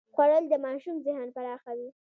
خوړل د ماشوم ذهن پراخوي